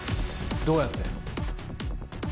どうやって？